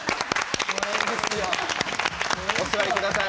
お座りください。